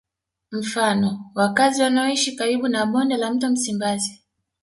Mfano wakazi wanaoishi karibu na bonde la mto Msimbazi